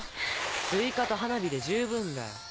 スイカと花火で十分だよ。